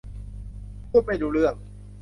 พูดไม่รู้เรื่อง